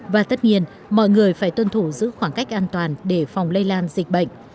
và tất nhiên mọi người phải tuân thủ giữ khoảng cách an toàn để phòng lây lan dịch bệnh